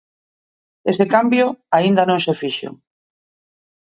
Ese cambio aínda non se fixo.